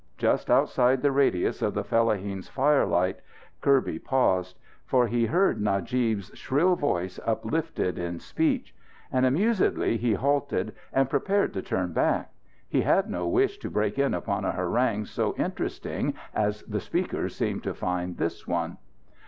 Just outside the radius of the fellaheen's firelight, Kirby paused. For he heard Najib's shrill voice uplifted in speech. And amusedly he halted and prepared to turn back. He had no wish to break in upon a harangue so interesting as the speaker seemed to find this one.